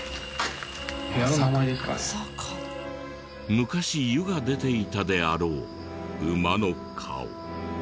昔湯が出ていたであろう馬の顔。